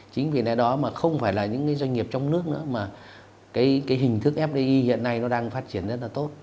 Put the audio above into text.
chính vì lẽ đó mà không phải là những cái doanh nghiệp trong nước nữa mà cái hình thức fdi hiện nay nó đang phát triển rất là tốt